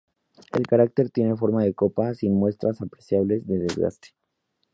El cráter tiene forma de copa, sin muestras apreciables de desgaste.